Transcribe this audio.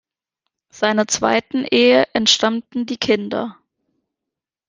Seiner zweiten Ehe entstammten die Kinder